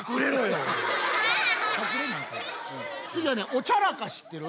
おちゃらか知ってる？